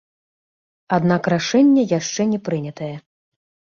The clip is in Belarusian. Аднак рашэнне яшчэ не прынятае.